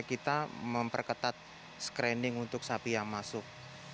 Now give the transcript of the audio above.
kita memperketat screening untuk sapi yang masuk